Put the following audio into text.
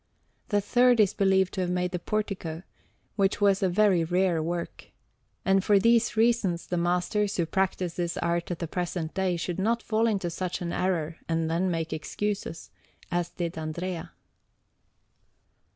The third is believed to have made the portico, which was a very rare work. And for these reasons the masters who practise this art at the present day should not fall into such an error and then make excuses, as did Andrea.